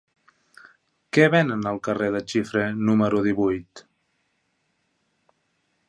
Què venen al carrer de Xifré número divuit?